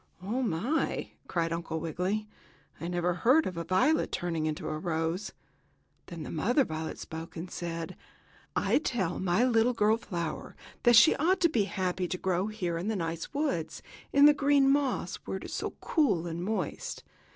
"Oh, my!" cried Uncle Wiggily. "I never heard of a violet turning into a rose." Then the mother violet spoke and said: "I tell my little girl flower that she ought to be happy to grow here in the nice woods, in the green moss, where it is so cool and moist.